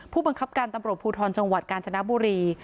ผู้บังคับการตำรวจภูทรจังหวัดกาญจนบุรี